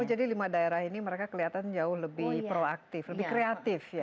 oh jadi lima daerah ini mereka kelihatan jauh lebih proaktif lebih kreatif ya